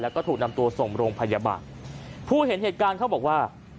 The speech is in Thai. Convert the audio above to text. แล้วก็ถูกนำตัวส่งโรงพยาบาลผู้เห็นเหตุการณ์เขาบอกว่า